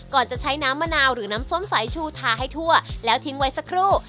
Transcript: จะใช้น้ำมะนาวหรือน้ำส้มสายชูทาให้ทั่วแล้วทิ้งไว้สักครู่